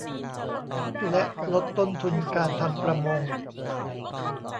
และลดต้นทุนการทำประมง